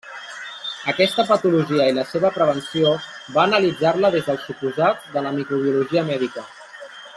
Aquesta patologia i la seva prevenció va analitzar-la des dels suposats de la microbiologia mèdica.